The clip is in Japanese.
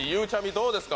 どうですか？